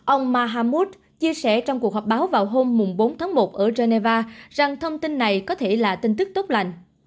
ông mahammud chia sẻ trong cuộc họp báo vào hôm bốn tháng một ở geneva rằng thông tin này có thể là tin tức tốt lành